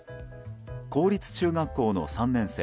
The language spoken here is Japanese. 公立中学校の３年生